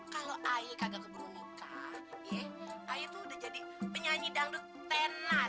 kalau ayah kagak kebunuh nikah ya ayah tuh udah jadi penyanyi dangdut tenar